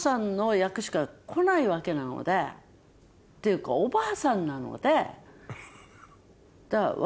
っていうかおばあさんなので。